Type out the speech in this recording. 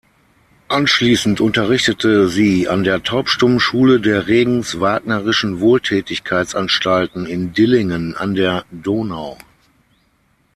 Anschließend unterrichtete sie an der Taubstummenschule der „Regens-Wagnerischen-Wohltätigkeitsanstalten“ in Dillingen an der Donau.